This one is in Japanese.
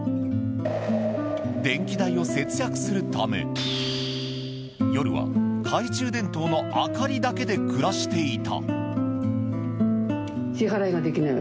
電気代を節約するため夜は懐中電灯の明かりだけで暮らしていた。